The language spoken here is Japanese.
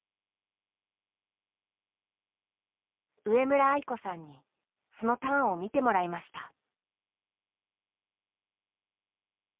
上村愛子さんにそのターンを見てもらいました。